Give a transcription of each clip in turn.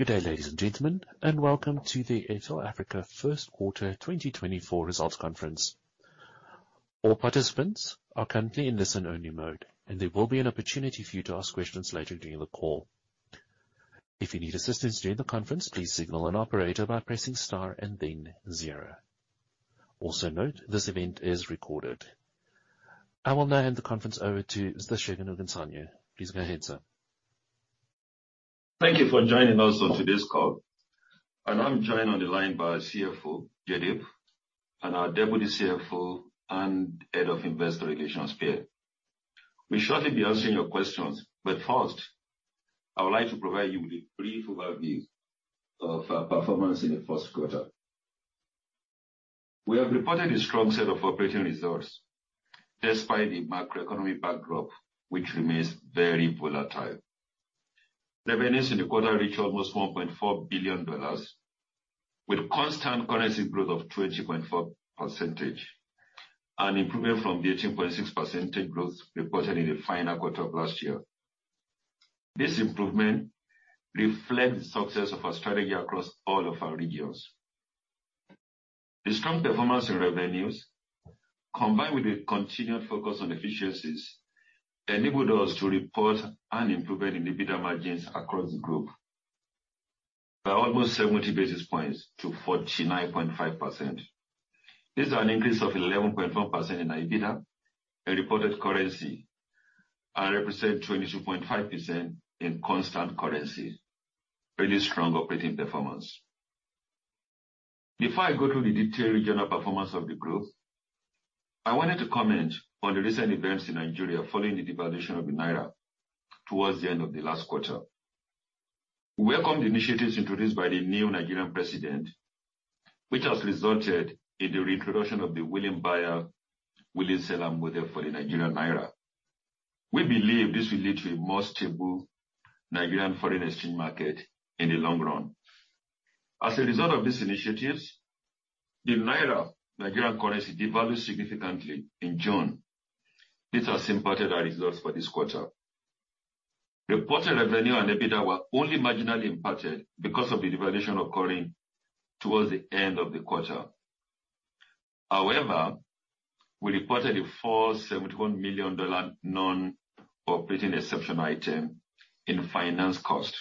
Good day, ladies and gentlemen, and welcome to the Airtel Africa's first quarter 2024 results conference. All participants are currently in listen only mode, and there will be an opportunity for you to ask questions later during the call. If you need assistance during the conference, please signal an operator by pressing star and then zero. Also note, this event is recorded. I will now hand the conference over to Mr. Olusegun Ogunsanya. Please go ahead, sir. Thank you for joining us on today's call. I'm joined on the line by our CFO, Jaideep, and our Deputy CFO and Head of Investor Relations, Pier. We'll shortly be answering your questions. First, I would like to provide you with a brief overview of our performance in the first quarter. We have reported a strong set of operating results despite the macroeconomic backdrop, which remains very volatile. Revenues in the quarter reached almost $1.4 billion, with constant currency growth of 20.4%, an improvement from the 18.6% growth reported in the final quarter of last year. This improvement reflects the success of our strategy across all of our regions. The strong performance in revenues, combined with a continued focus on efficiencies, enabled us to report an improvement in EBITDA margins across the group by almost 70 basis points to 49.5%. This is an increase of 11.1% in EBITDA in reported currency and represent 22.5% in constant currency. Really strong operating performance. Before I go to the detailed regional performance of the group, I wanted to comment on the recent events in Nigeria following the devaluation of the naira towards the end of the last quarter. We welcomed the initiatives introduced by the new Nigerian president, which has resulted in the reintroduction of the willing buyer, willing seller model for the Nigerian naira. We believe this will lead to a more stable Nigerian foreign exchange market in the long run. As a result of these initiatives, the naira, Nigerian currency, devalued significantly in June. This has impacted our results for this quarter. Reported revenue and EBITDA were only marginally impacted because of the devaluation occurring towards the end of the quarter. We reported a $471 million non-operating exception item in finance cost,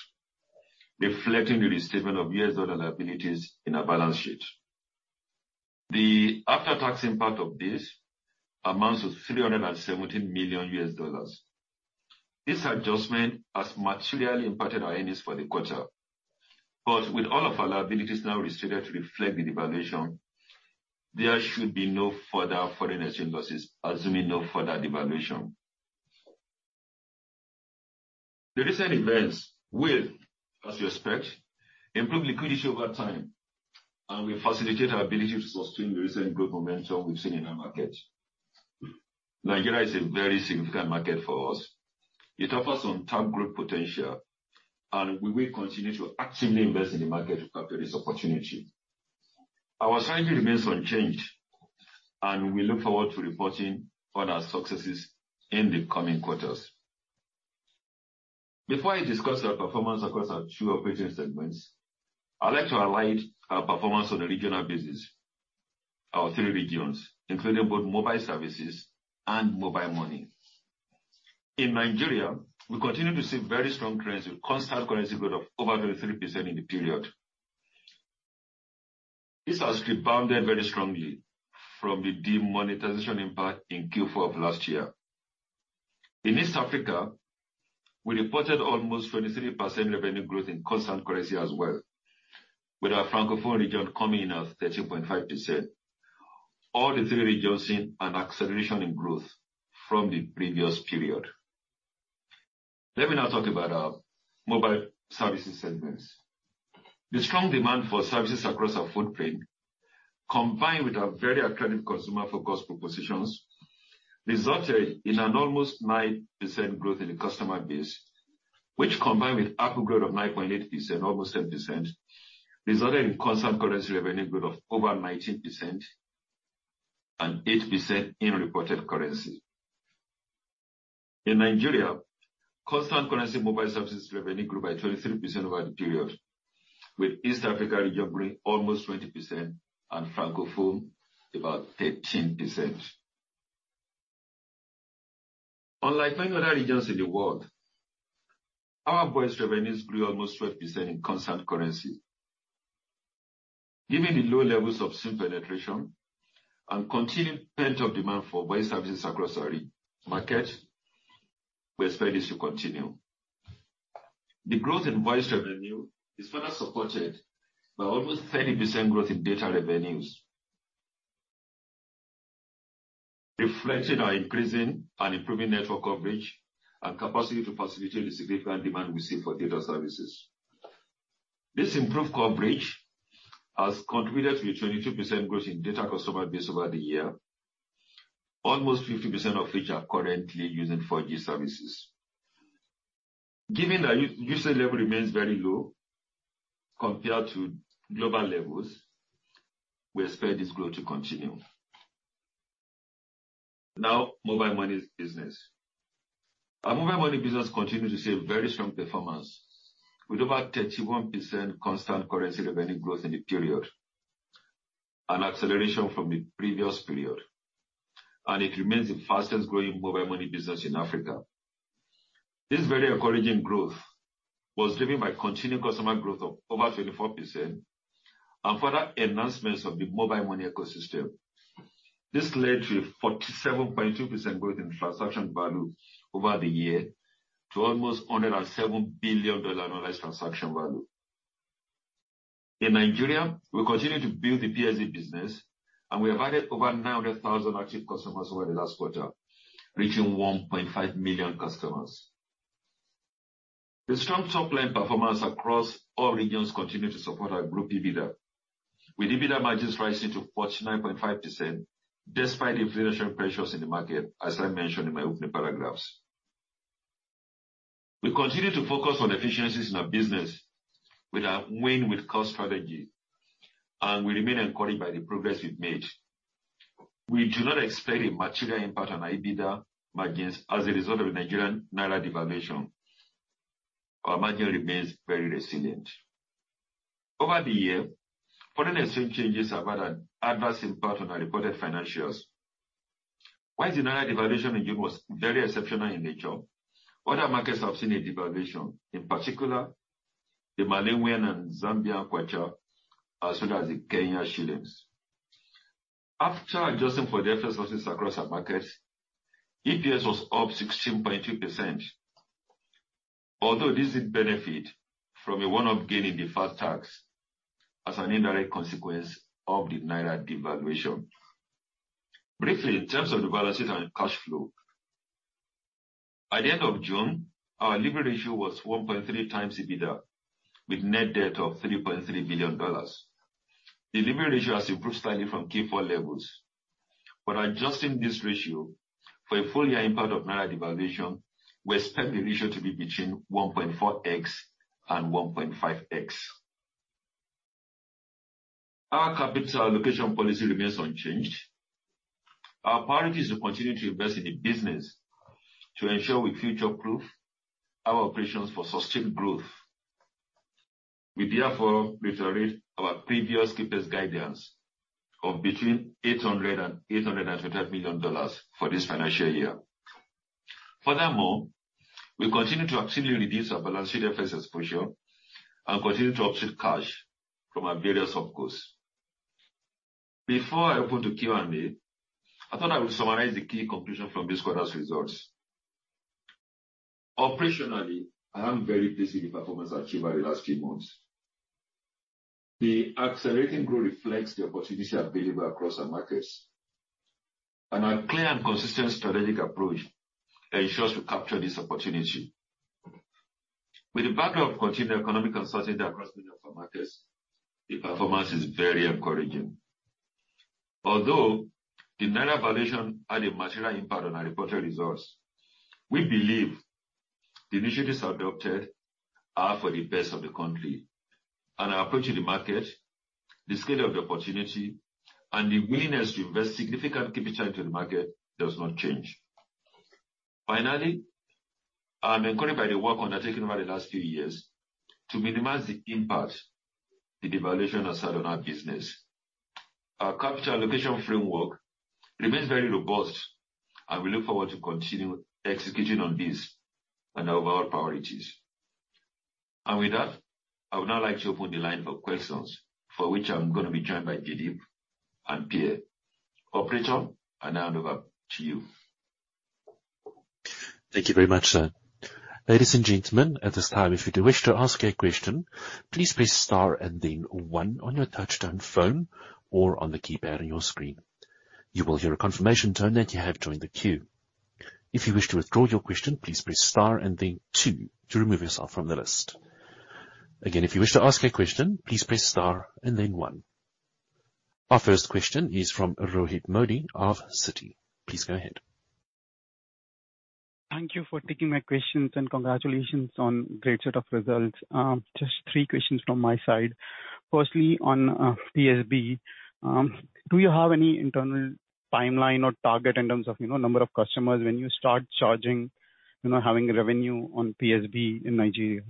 reflecting the restatement of U.S. dollar liabilities in our balance sheet. The after-tax impact of this amounts to $317 million. This adjustment has materially impacted our earnings for the quarter, but with all of our liabilities now restricted to reflect the devaluation, there should be no further foreign exchange losses, assuming no further devaluation. The recent events will, as we expect, improve liquidity over time, and will facilitate our ability to sustain the recent growth momentum we've seen in our market. Nigeria is a very significant market for us. It offers some top group potential, and we will continue to actively invest in the market to capture this opportunity. Our strategy remains unchanged, and we look forward to reporting on our successes in the coming quarters. Before I discuss our performance across our two operating segments, I'd like to highlight our performance on the regional basis, our three regions, including both mobile services and mobile money. In Nigeria, we continue to see very strong trends with constant currency growth of over 33% in the period. This has rebounded very strongly from the demonetization impact in Q4 of last year. In East Africa, we reported almost 23% revenue growth in constant currency as well, with our Francophone region coming in at 13.5%. All the three regions seeing an acceleration in growth from the previous period. Let me now talk about our mobile services segments. The strong demand for services across our footprint, combined with our very attractive consumer-focused propositions, resulted in an almost 9% growth in the customer base, which, combined with ARPU growth of 9.8%, almost 10%, resulted in constant currency revenue growth of over 19% and 8% in reported currency. In Nigeria, constant currency mobile services revenue grew by 23% over the period, with East Africa region growing almost 20% and Francophone about 13%. Unlike many other regions in the world, our voice revenues grew almost 12% in constant currency. Given the low levels of SIM penetration and continued pent-up demand for voice services across our market, we expect this to continue. The growth in voice revenue is further supported by almost 30% growth in data revenues, reflecting our increasing and improving network coverage and capacity to facilitate the significant demand we see for data services. This improved coverage has contributed to a 22% growth in data customer base over the year. Almost 50% of which are currently using 4G services. Given that usage level remains very low compared to global levels, we expect this growth to continue. Now, mobile money business. Our mobile money business continues to see a very strong performance, with over 31% constant currency revenue growth in the period, an acceleration from the previous period, and it remains the fastest growing mobile money business in Africa. This very encouraging growth was driven by continued customer growth of over 24% and further enhancements of the mobile money ecosystem. This led to a 47.2% growth in transaction value over the year, to almost $107 billion in transaction value. In Nigeria, we continue to build the PSB business, we have added over 900,000 active customers over the last quarter, reaching 1.5 million customers. The strong top line performance across all regions continue to support our group EBITDA, with EBITDA margins rising to 49.5%, despite inflation pressures in the market, as I mentioned in my opening paragraphs. We continue to focus on efficiencies in our business with our win-win cost strategy, we remain encouraged by the progress we've made. We do not expect a material impact on our EBITDA margins as a result of the Nigerian naira devaluation. Our margin remains very resilient. Over the year, foreign exchange changes have had an adverse impact on our reported financials. While the naira devaluation in June was very exceptional in nature, other markets have seen a devaluation, in particular the Malawi and Zambia kwacha, as well as the Kenyan shillings. After adjusting for the forex sources across our markets, EPS was up 16.2%. This did benefit from a one-off gain in deferred tax as an indirect consequence of the naira devaluation. Briefly, in terms of the balances and cash flow, at the end of June, our leverage ratio was 1.3x EBITDA, with net debt of $3.3 billion. The leverage ratio has improved slightly from Q4 levels, but adjusting this ratio for a full year impact of naira devaluation, we expect the ratio to be between 1.4x and 1.5x. Our capital allocation policy remains unchanged. Our priority is to continue to invest in the business to ensure we future-proof our operations for sustained growth. We therefore reiterate our previous guidance of between $800 million and $850 million for this financial year. Furthermore, we continue to actively reduce our balance sheet exposure and continue to offset cash from our various OpCos. Before I open to Q&A, I thought I would summarize the key conclusion from this quarter's results. Operationally, I am very pleased with the performance achieved by the last few months. The accelerating growth reflects the opportunities available across our markets, and our clear and consistent strategic approach ensures we capture this opportunity. With the backdrop of continued economic uncertainty across many of our markets, the performance is very encouraging. Although the naira devaluation had a material impact on our reported results, we believe the initiatives adopted are for the best of the country and our approach to the market, the scale of the opportunity and the willingness to invest significant capital into the market does not change. Finally, I'm encouraged by the work undertaken over the last few years to minimize the impact the devaluation has had on our business. Our capital allocation framework remains very robust, and we look forward to continue execution on this and our overall priorities. With that, I would now like to open the line for questions, for which I'm going to be joined by Jaideep and Pier. Operator, I hand over to you. Thank you very much, sir. Ladies and gentlemen, at this time, if you do wish to ask a question, please press star and then one on your touch-tone phone or on the keypad on your screen. You will hear a confirmation tone that you have joined the queue. If you wish to withdraw your question, please press star and then two to remove yourself from the list. Again, if you wish to ask a question, please press star and then one. Our first question is from Rohit Modi of Citi. Please go ahead. Thank you for taking my questions and congratulations on great set of results. Just three questions from my side. Firstly, on PSB, do you have any internal timeline or target in terms of, you know, number of customers when you start charging, you know, having revenue on PSB in Nigeria?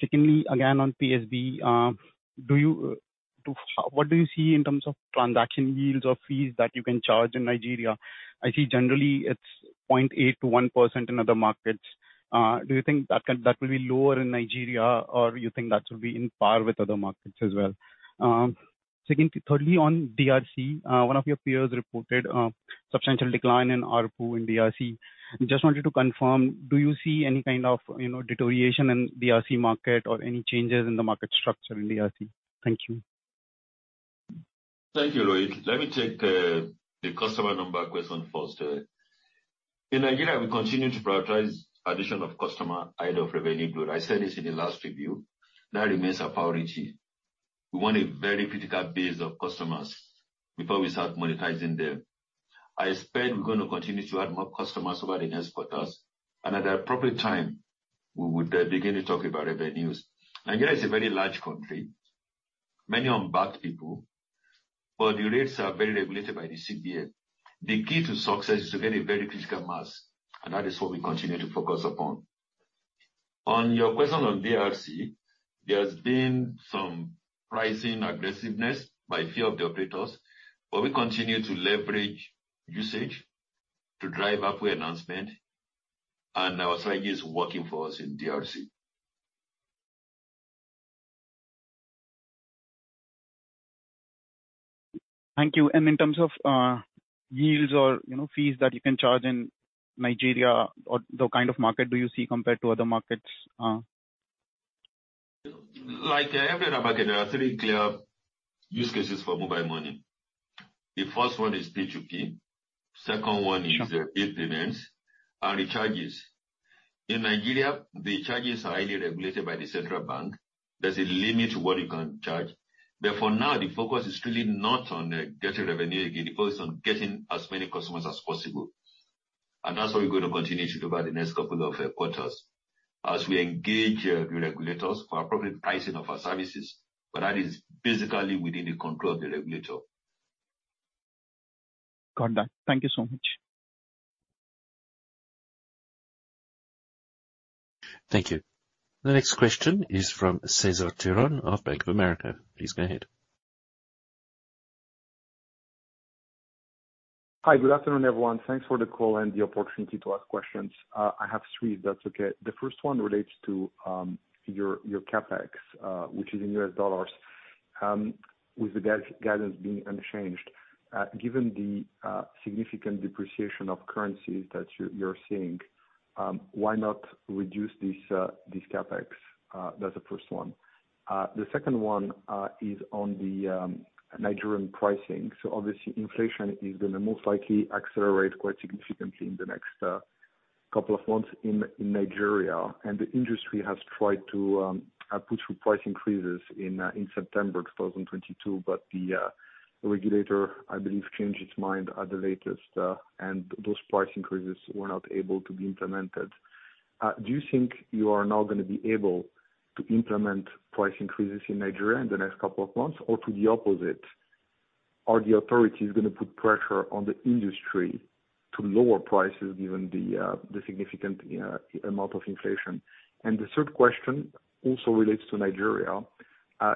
Secondly, again, on PSB, what do you see in terms of transaction yields or fees that you can charge in Nigeria? I see generally it's 0.8%-1% in other markets. Do you think that will be lower in Nigeria, or you think that will be in par with other markets as well? Thirdly, on DRC, one of your peers reported substantial decline in ARPU in DRC. I just wanted to confirm, do you see any kind of, you know, deterioration in DRC market or any changes in the market structure in DRC? Thank you. Thank you, Rohit. Let me take the customer number question first. In Nigeria, we continue to prioritize addition of customer out of revenue growth. I said this in the last review. That remains our priority. We want a very critical base of customers before we start monetizing them. I expect we're going to continue to add more customers over the next quarters, and at the appropriate time, we would begin to talk about revenues. Nigeria is a very large country many unbanked people, but the rates are very regulated by the CBN. The key to success is to get a very critical mass, and that is what we continue to focus upon. On your question on DRC, there has been some pricing aggressiveness by a few of the operators, but we continue to leverage usage to drive up wallet non-spend, and our strategy is working for us in DRC. Thank you. In terms of yields or, you know, fees that you can charge in Nigeria, or the kind of market do you see compared to other markets? Like every other market, there are three clear use cases for mobile money. The first one is P2P. Second one is e-payments and recharges. In Nigeria, the charges are highly regulated by the Central Bank. There's a limit to what you can charge. For now, the focus is really not on getting revenue. The focus is on getting as many customers as possible, and that's what we're going to continue to do over the next couple of quarters. As we engage the regulators for appropriate pricing of our services, that is basically within the control of the regulator. Got that. Thank you so much. Thank you. The next question is from Cesar Tiron of Bank of America. Please go ahead. Hi, good afternoon, everyone. Thanks for the call and the opportunity to ask questions. I have three, if that's okay. The first one relates to your CapEx, which is in U.S. dollars. With the guidance being unchanged, given the significant depreciation of currencies that you're seeing, why not reduce this CapEx? That's the first one. The second one is on the Nigerian pricing. obviously, inflation is going to most likely accelerate quite significantly in the next couple of months in Nigeria. The industry has tried to put through price increases in September 2022, the regulator, I believe, changed its mind at the latest, and those price increases were not able to be implemented. Do you think you are now gonna be able to implement price increases in Nigeria in the next couple of months, or to the opposite, are the authorities gonna put pressure on the industry to lower prices given the significant amount of inflation? The third question also relates to Nigeria.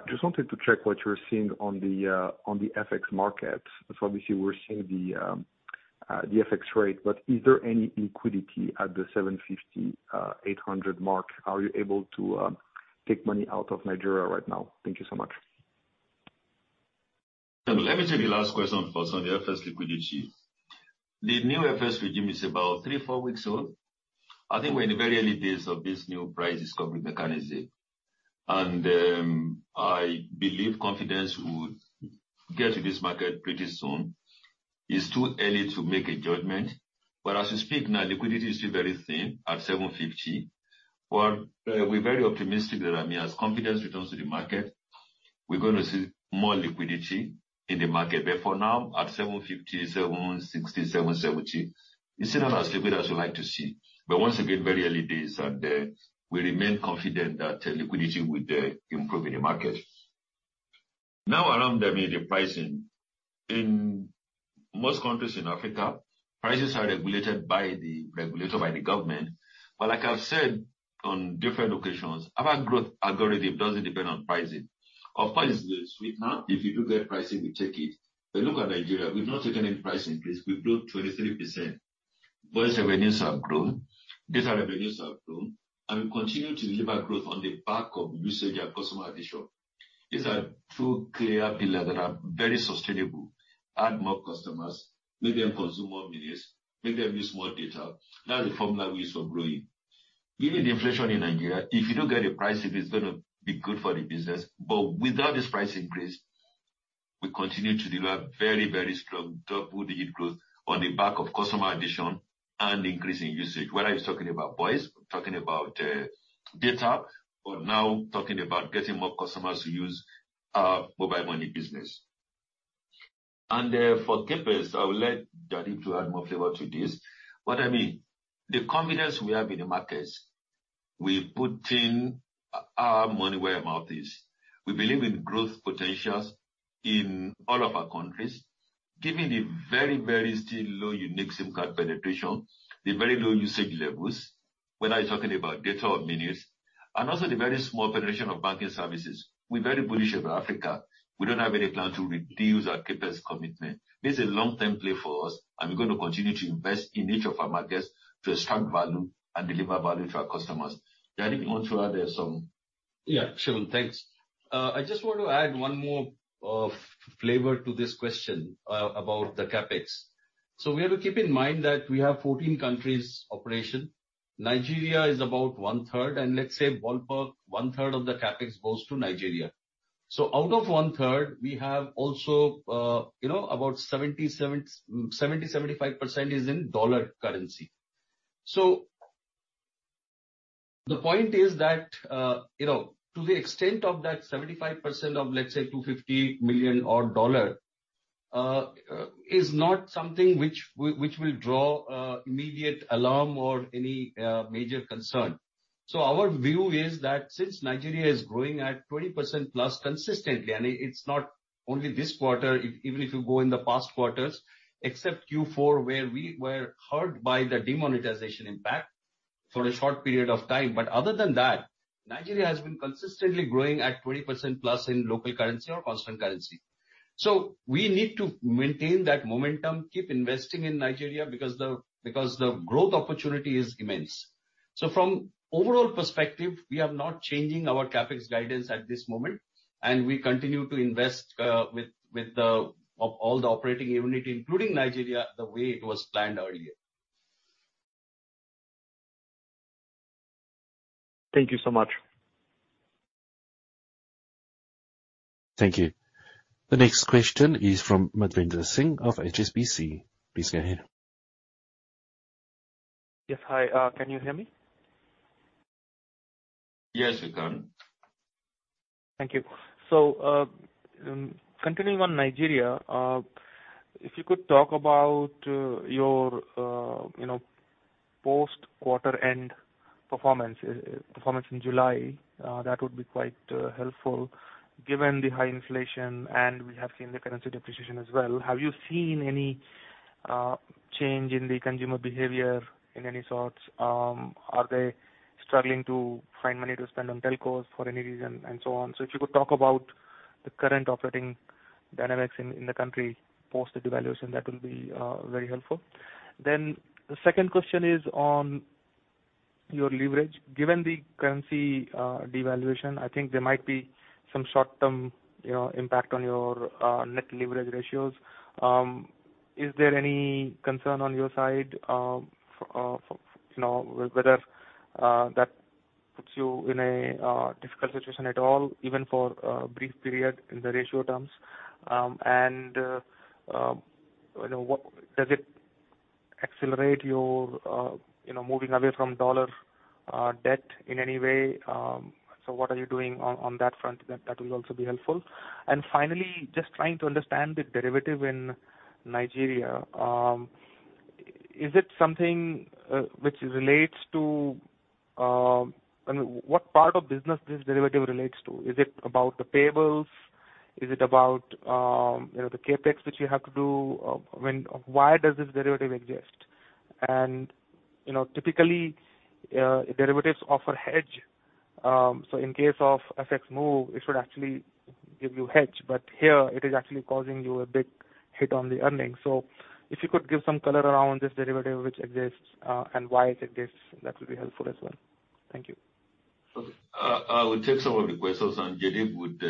Just wanted to check what you're seeing on the FX market. Obviously, we're seeing the FX rate, but is there any liquidity at the $750 million-$800 million mark? Are you able to take money out of Nigeria right now? Thank you so much. Let me take the last question first on the FX liquidity. The new FX regime is about 3-4 weeks old. I think we're in the very early days of this new price discovery mechanism, and I believe confidence will get to this market pretty soon. It's too early to make a judgment, as we speak now, liquidity is still very thin at $750 million. We're very optimistic that, I mean, as confidence returns to the market, we're gonna see more liquidity in the market. For now, at $750 million, $760 million, $770 million, it's still not as liquid as we'd like to see. Once again, very early days, and we remain confident that liquidity will improve in the market. Now, around the mean, the pricing. In most countries in Africa, prices are regulated by the regulator, by the government. Like I've said on different occasions, our growth algorithm doesn't depend on pricing. Of course, if you do get pricing, we take it. Look at Nigeria, we've not taken any price increase, we've grown 23%. Voice revenues have grown, data revenues have grown, and we continue to deliver growth on the back of usage and customer addition. These are two clear pillars that are very sustainable: add more customers, make them consume more minutes, make them use more data. That's the formula we use for growing. Given the inflation in Nigeria, if you do get a price, it is going to be good for the business, but without this price increase, we continue to deliver very strong double-digit growth on the back of customer addition and increase in usage. Whether it's talking about voice, we're talking about data, or now talking about getting more customers to use our mobile money business. For CapEx, I will let Jaideep to add more flavor to this. What I mean, the confidence we have in the markets, we're putting our money where our mouth is. We believe in growth potentials in all of our countries, given the very, very still low unique SIM card penetration, the very low usage levels, whether you're talking about data or minutes, and also the very small penetration of banking services. We're very bullish about Africa. We don't have any plan to reduce our CapEx commitment. This is a long-term play for us, and we're going to continue to invest in each of our markets to extract value and deliver value to our customers. Jaideep, you want to add some? Yeah, sure. Thanks. I just want to add one more flavor to this question about the CapEx. We have to keep in mind that we have 14 countries operation. Nigeria is about 1/3, and let's say ballpark, 1/3 of the CapEx goes to Nigeria. Out of 1/3, we have also, you know, about 75% is in dollar currency. The point is that, you know, to the extent of that 75% of, let's say, $250 million. It's not something which we will draw immediate alarm or any major concern. Our view is that since Nigeria is growing at 20% plus consistently, and it's not only this quarter, even if you go in the past quarters, except Q4, where we were hurt by the demonetization impact for a short period of time. Other than that, Nigeria has been consistently growing at 20% plus in local currency or constant currency. We need to maintain that momentum, keep investing in Nigeria, because the growth opportunity is immense. From overall perspective, we are not changing our CapEx guidance at this moment, and we continue to invest with all the operating unit, including Nigeria, the way it was planned earlier. Thank you so much. Thank you. The next question is from Madhvendra Singh of HSBC. Please go ahead. Yes. Hi, can you hear me? Yes, we can. Thank you. Continuing on Nigeria, if you could talk about your post-quarter end performance in July, that would be quite helpful. Given the high inflation, and we have seen the currency depreciation as well, have you seen any change in the consumer behavior in any sorts? Are they struggling to find money to spend on telcos for any reason, and so on? If you could talk about the current operating dynamics in the country post the devaluation, that will be very helpful. The second question is on your leverage. Given the currency, devaluation, I think there might be some short-term, you know, impact on your net leverage ratios. Is there any concern on your side, for, you know, whether that puts you in a difficult situation at all, even for a brief period in the ratio terms? You know, does it accelerate your, you know, moving away from dollar debt in any way? What are you doing on that front? That will also be helpful. Finally, just trying to understand the derivative in Nigeria. Is it something which relates to... I mean, what part of business this derivative relates to? Is it about the payables? Is it about, you know, the CapEx which you have to do? Why does this derivative exist? You know, typically, derivatives offer hedge, in case of FX move, it should actually give you hedge, but here it is actually causing you a big hit on the earnings. If you could give some color around this derivative which exists, and why it exists, that would be helpful as well. Thank you. I will take some of the questions, and Jaideep would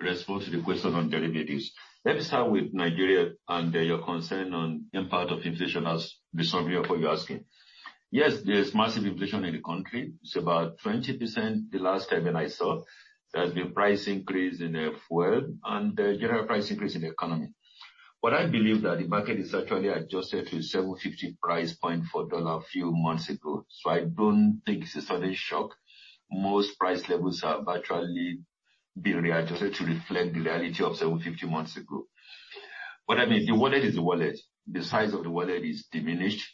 respond to the question on derivatives. Let me start with Nigeria and your concern on impact of inflation, as the summary of what you're asking. Yes, there's massive inflation in the country. It's about 20% the last time that I saw. There's been price increase in the fuel and a general price increase in the economy. What I believe that the market is actually adjusted to 750 price point for dollar a few months ago, so I don't think it's a sudden shock. Most price levels have actually been readjusted to reflect the reality of 750 months ago. I mean, the wallet is the wallet. The size of the wallet is diminished.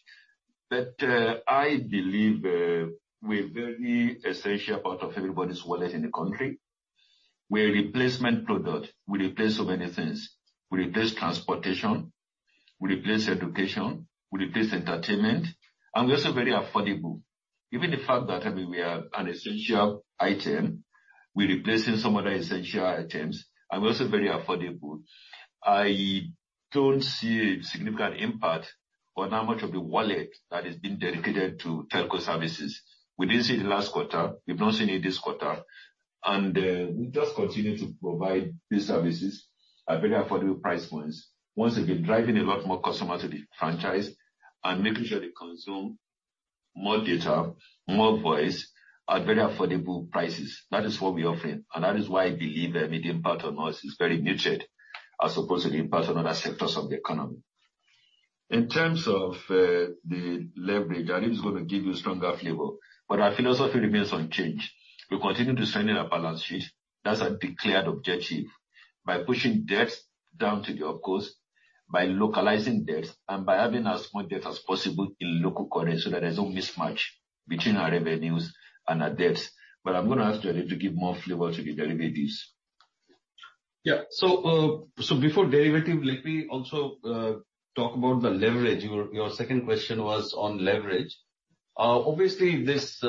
I believe we're a very essential part of everybody's wallet in the country. We're a replacement product. We replace so many things. We replace transportation, we replace education, we replace entertainment, and we're also very affordable. Given the fact that, I mean, we are an essential item, we're replacing some other essential items and we're also very affordable. I don't see a significant impact on how much of the wallet that is being dedicated to telco services. We didn't see it the last quarter. We've not seen it this quarter. We just continue to provide these services at very affordable price points. Once again, driving a lot more customers to the franchise and making sure they consume more data, more voice, at very affordable prices. That is what we're offering, and that is why I believe the impact on us is very muted as opposed to the impact on other sectors of the economy. In terms of the leverage, I was going to give you a stronger flavor. Our philosophy remains unchanged. We continue to strengthen our balance sheet. That's our declared objective. By pushing debt down to the OpCos, by localizing debt, and by having as much debt as possible in local currency, so there is no mismatch between our revenues and our debts. I'm going to ask Jaideep to give more flavor to the derivatives. Yeah. Before derivative, let me also talk about the leverage. Your second question was on leverage. Obviously, this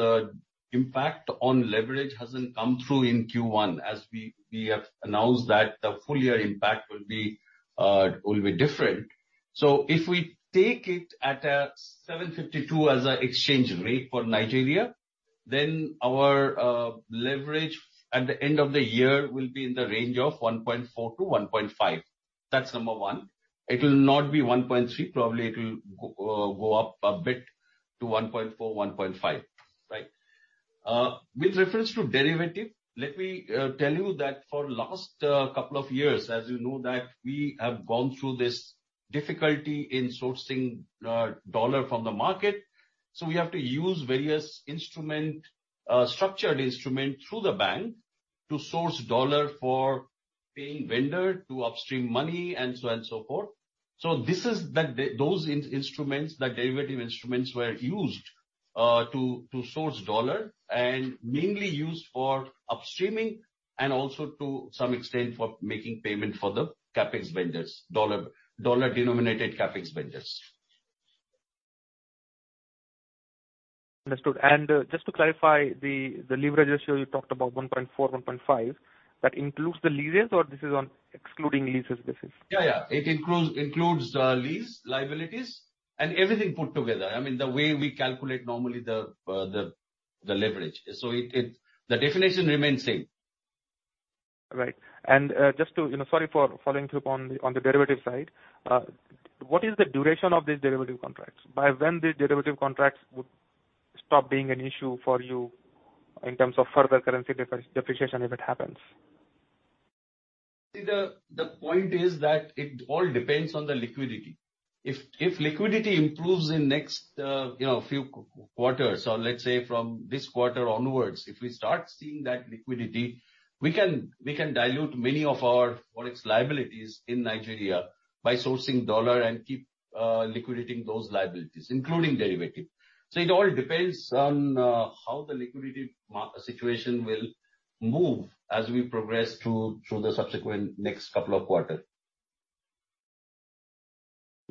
impact on leverage hasn't come through in Q1, as we have announced that the full year impact will be different. If we take it at 752 as an exchange rate for Nigeria, then our leverage at the end of the year will be in the range of 1.4x-1.5x. That's number one. It will not be 1.3x. Probably, it will go up a bit to 1.4x, 1.5x, right? With reference to derivative, let me tell you that for last couple of years, as you know, that we have gone through this difficulty in sourcing USD from the market. We have to use various instrument, structured instrument through the bank to source USD for paying vendor, to upstream money, and so and so forth. This is the those instruments, the derivative instruments, were used to source USD and mainly used for upstreaming and also to some extent for making payment for the CapEx vendors, USD-denominated CapEx vendors. Understood. just to clarify, the leverage ratio you talked about, 1.4-1.5, that includes the leases or this is on excluding leases basis? Yeah, yeah. It includes lease liabilities and everything put together. I mean, the way we calculate normally the leverage. The definition remains same. Right. Just to, you know, sorry for following up on the, on the derivative side. What is the duration of these derivative contracts? By when the derivative contracts would stop being an issue for you in terms of further currency depreciation, if it happens? The point is that it all depends on the liquidity. If liquidity improves in next, you know, few quarters, or let's say from this quarter onwards, if we start seeing that liquidity, we can dilute many of our Forex liabilities in Nigeria by sourcing USD and keep liquidating those liabilities, including derivative. It all depends on how the liquidity situation will move as we progress through the subsequent next couple of quarters.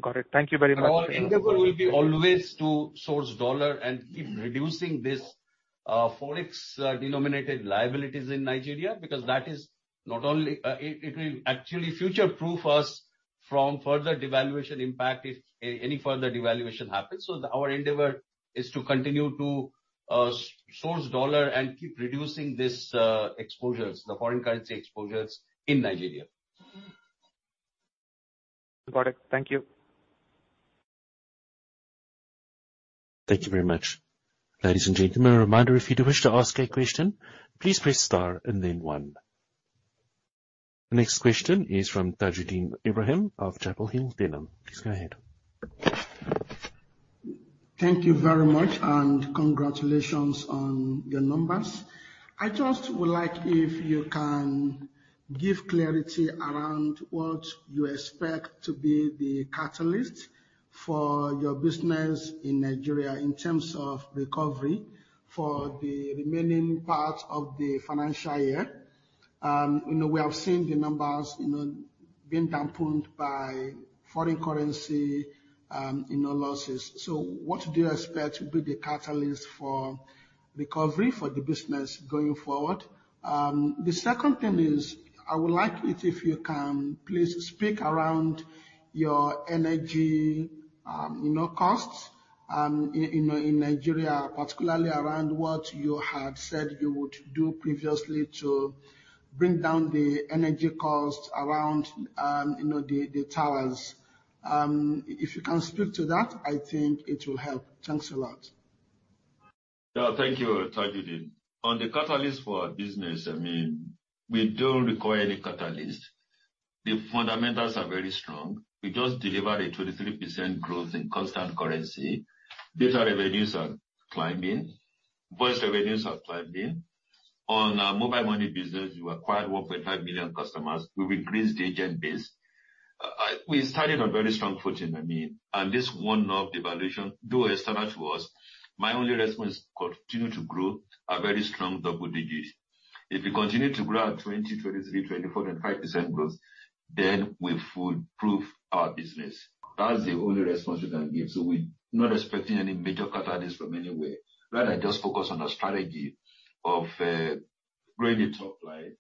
Got it. Thank you very much. Our endeavor will be always to source USD and keep reducing this, Forex denominated liabilities in Nigeria, because that is not only. It will actually future-proof us from further devaluation impact if any further devaluation happens. Our endeavor is to continue to, source USD and keep reducing this, exposures, the foreign currency exposures in Nigeria. Got it. Thank you. Thank you very much. Ladies and gentlemen, a reminder, if you'd wish to ask a question, please press star and then one. The next question is from Tajudeen Ibrahim of Chapel Hill Denham. Please go ahead. Thank you very much, congratulations on your numbers. I just would like if you can give clarity around what you expect to be the catalyst for your business in Nigeria, in terms of recovery for the remaining part of the financial year. You know, we have seen the numbers, you know, being dampened by foreign currency, you know, losses. What do you expect to be the catalyst for recovery for the business going forward? The second thing is, I would like it if you can please speak around your energy, you know, costs, in Nigeria, particularly around what you had said you would do previously to bring down the energy costs around, you know, the towers. If you can speak to that, I think it will help. Thanks a lot. Thank you, Tajudeen. The catalyst for our business, I mean, we don't require any catalyst. The fundamentals are very strong. We just delivered a 23% growth in constant currency. Data revenues are climbing. Voice revenues are climbing. Mobile money business, we acquired 1.5 million customers. We've increased the agent base. We started on very strong footing, I mean, this one-off devaluation, though external to us, my only response, continue to grow a very strong double digits. If we continue to grow at 20%, 23%, and 24.5% growth, we foolproof our business. That's the only response we can give. We're not expecting any major catalyst from anywhere. Just focus on the strategy of growing the top line,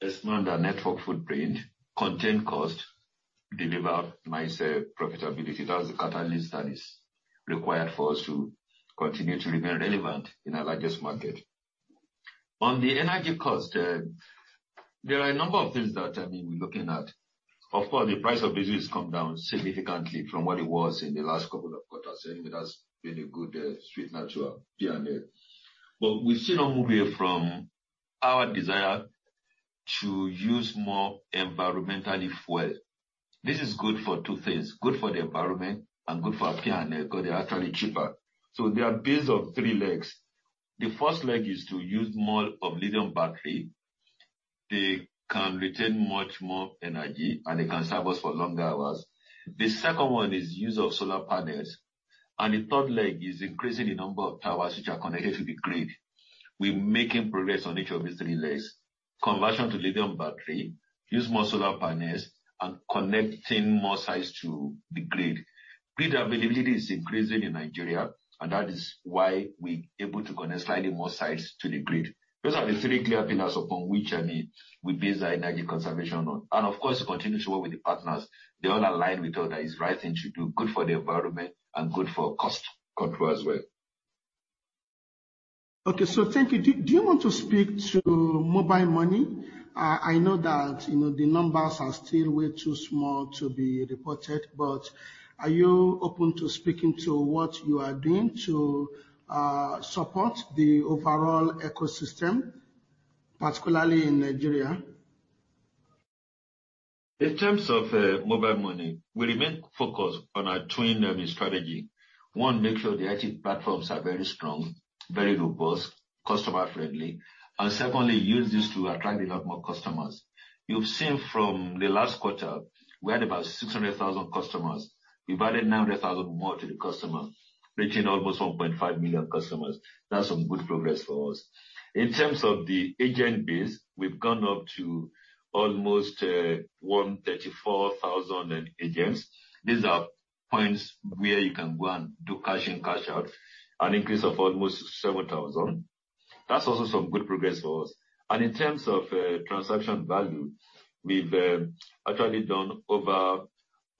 expand our network footprint, contain cost, deliver myself profitability. That's the catalyst that is required for us to continue to remain relevant in our largest market. On the energy cost, there are a number of things that, I mean, we're looking at. The price of diesel has come down significantly from what it was in the last couple of quarters, and that's been a good, sweet natural P&L. We've still not moved away from our desire to use more environmentally fuel. This is good for two things, good for the environment and good for our P&L, because they're actually cheaper. They are based on three legs. The first leg is to use more of lithium battery. They can retain much more energy, and they can serve us for longer hours. The second one is use of solar panels, and the third leg is increasing the number of towers which are connected to the grid. We're making progress on each of these three legs: conversion to lithium battery, use more solar panels, and connecting more sites to the grid. Grid availability is increasing in Nigeria, and that is why we're able to connect slightly more sites to the grid. Those are the three clear pillars upon which, I mean, we base our energy conservation on, and of course, we continue to work with the partners. They all align with us that it's right thing to do, good for the environment and good for cost control as well. Okay. Thank you. Do you want to speak to mobile money? I know that, you know, the numbers are still way too small to be reported, but are you open to speaking to what you are doing to support the overall ecosystem, particularly in Nigeria? In terms of mobile money, we remain focused on our twin revenue strategy. One, make sure the IT platforms are very strong, very robust, customer friendly, and secondly, use this to attract a lot more customers. You've seen from the last quarter, we had about 600,000 customers. We've added 900,000 more to the customer, making almost 1.5 million customers. That's some good progress for us. In terms of the agent base, we've gone up to almost 134,000 agents. These are points where you can go and do cash in, cash out, an increase of almost 7,000. That's also some good progress for us. In terms of transaction value, we've actually done over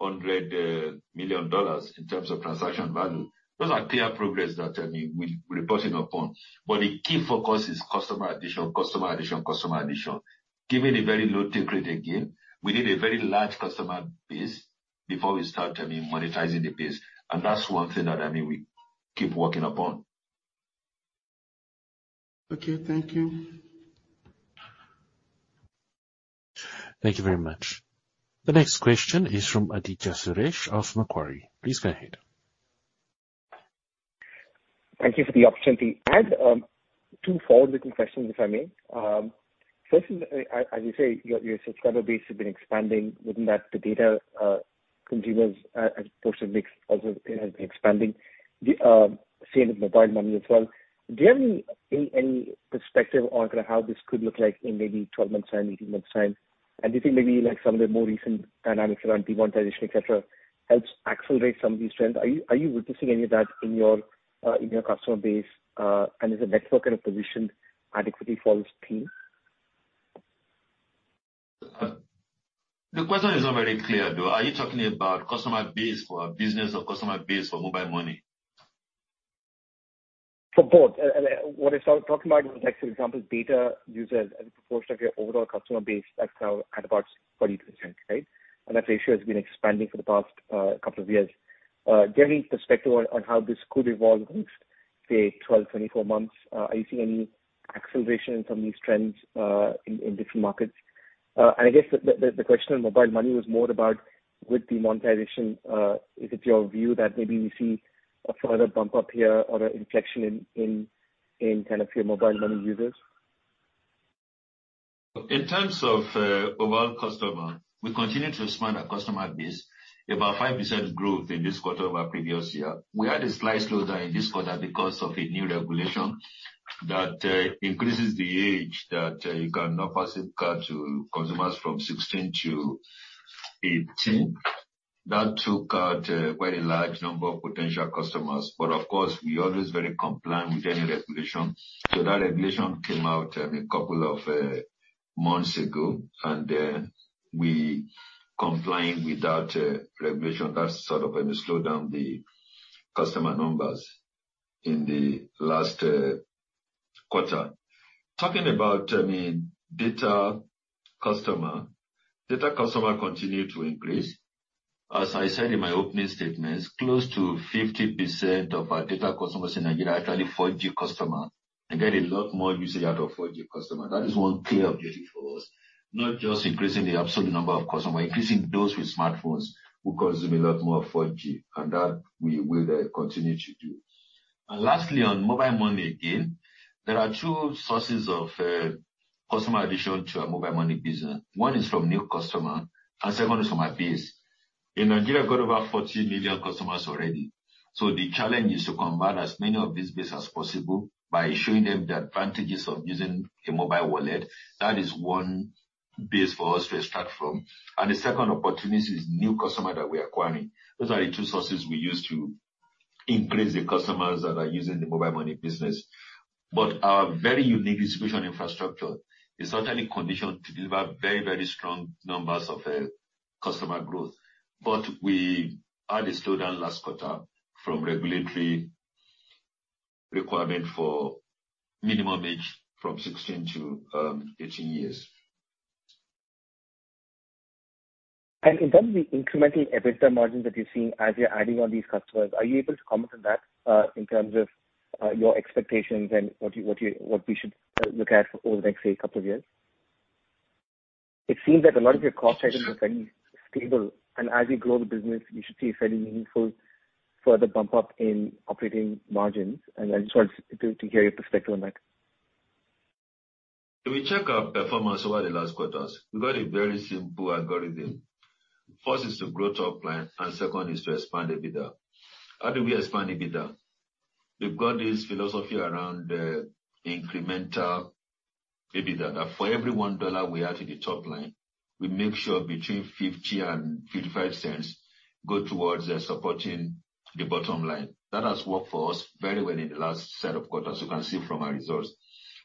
$100 million in terms of transaction value. Those are clear progress that, I mean, we're reporting upon. The key focus is customer addition, customer addition, customer addition. Given the very low take rate again, we need a very large customer base before we start, I mean, monetizing the base, and that's one thing that, I mean, we keep working upon. Okay, thank you. Thank you very much. The next question is from Aditya Suresh of Macquarie. Please go ahead. Thank you for the opportunity. I have two follow-up questions, if I may. First, as you say, your subscriber base has been expanding. Wouldn't that the data consumers as portion mix, also expanding, the same with mobile money as well? Do you have any perspective on kind of how this could look like in maybe 12 months' time, 18 months' time? Do you think maybe like some of the more recent dynamics around demonetization, etc, helps accelerate some of these trends? Are you witnessing any of that in your customer base? Is the network kind of positioned adequately for all this team? The question is not very clear, though. Are you talking about customer base for our business or customer base for mobile money? For both. What I started talking about was, for example, data users as a proportion of your overall customer base, that's now at about 40%, right? That ratio has been expanding for the past couple of years. Do you have any perspective on how this could evolve in, say, 12-24 months? Are you seeing any acceleration from these trends in different markets? I guess the question on mobile money was more about with demonetization, is it your view that maybe we see a further bump up here or an inflection in kind of your mobile money users? In terms of overall customer, we continue to expand our customer base. About 5% growth in this quarter over previous year. We had a slight slowdown in this quarter because of a new regulation that increases the age that you can offer SIM card to consumers from 16-18. That took out a very large number of potential customers, but of course, we are always very compliant with any regulation. That regulation came out a couple of months ago, and we compliant with that regulation. That's sort of slowed down the customer numbers in the last quarter. Talking about, I mean, data customer. Data customer continued to increase. As I said in my opening statements, close to 50% of our data customers in Nigeria are actually 4G customer, and get a lot more usage out of 4G customer. That is one clear objective for us, not just increasing the absolute number of customers, we're increasing those with smartphones, who consume a lot more 4G, that we will continue to do. Lastly, on mobile money, again, there are two sources of customer addition to our mobile money business. One is from new customer, and second is from our base. In Nigeria, we've got over 40 million customers already. The challenge is to convert as many of this base as possible by showing them the advantages of using a mobile wallet. That is one base for us to start from, and the second opportunity is new customer that we are acquiring. Those are the two sources we use to increase the customers that are using the mobile money business. Our very unique distribution infrastructure is certainly conditioned to deliver very, very strong numbers of customer growth. We had a slowdown last quarter from regulatory requirement for minimum age from 16-18 years. In terms of the incremental EBITDA margins that you're seeing as you're adding on these customers, are you able to comment on that, in terms of your expectations and what you, what we should look at over the next, say, two years? It seems that a lot of your cost items are fairly stable, and as you grow the business, you should see a fairly meaningful further bump up in operating margins, and I just wanted to hear your perspective on that. If we check our performance over the last quarters, we've got a very simple algorithm. First is to grow top line, and second is to expand EBITDA. How do we expand EBITDA? We've got this philosophy around incremental EBITDA, that for every $1 we add to the top line, we make sure between $0.50-$0.55 go towards supporting the bottom line. That has worked for us very well in the last set of quarters, you can see from our results.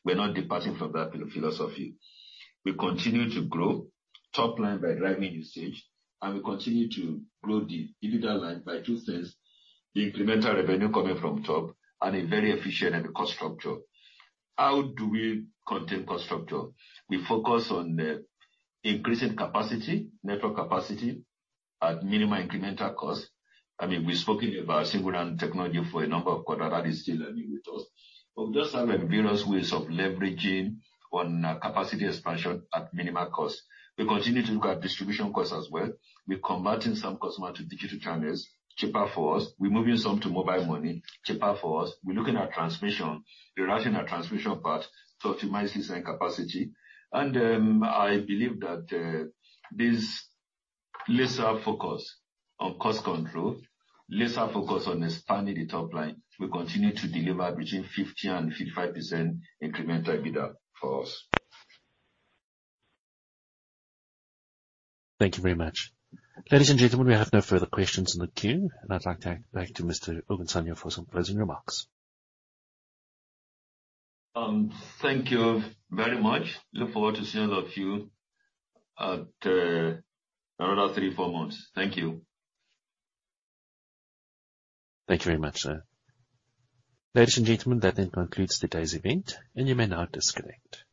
We're not departing from that philosophy. We continue to grow top line by driving usage, and we continue to grow the EBITDA line by $0.02, the incremental revenue coming from top, and a very efficient cost structure. How do we contain cost structure? We focus on increasing capacity, network capacity, at minimal incremental cost. I mean, we've spoken about Single RAN technology for a number of quarters, that is still, I mean, with us. We just have various ways of leveraging on capacity expansion at minimal cost. We continue to look at distribution costs as well. We're converting some customer to digital channels, cheaper for us. We're moving some to mobile money, cheaper for us. We're looking at transmission, rewriting our transmission path to optimize design capacity. I believe that this lesser focus on cost control, lesser focus on expanding the top line, will continue to deliver between 50% and 55% incremental EBITDA for us. Thank you very much. Ladies and gentlemen, we have no further questions in the queue, and I'd like to hand back to Mr. Ogunsanya for some closing remarks. Thank you very much. Looking forward to seeing all of you over the next 3-4 months. Thank you. Thank you very much, sir. Ladies and gentlemen, that then concludes today's event. You may now disconnect.